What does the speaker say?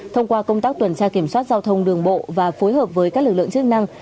thông qua công tác tuần tra kiểm soát giao thông đường bộ và phối hợp với các lực lượng chức năng